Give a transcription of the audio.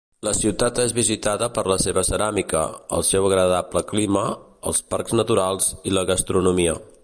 La ciutat és visitada per la seva ceràmica, el seu agradable clima, els parcs naturals i la gastronomia.